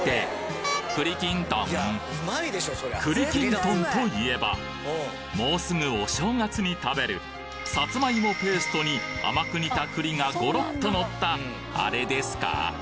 その名もってもうすぐお正月に食べるさつまいもペーストに甘く煮た栗がゴロッとのったアレですか？